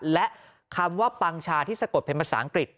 และคำว่าปังชาที่สะกดเป็นภาษาอังกฤษ